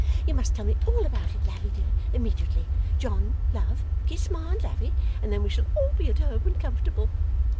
You must tell me all about it, Lavvy dear, immediately. John, love, kiss Ma and Lavvy, and then we shall all be at home and comfortable.